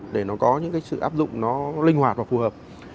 để nó có những cái sự áp dụng nó linh hoạt và phù hợp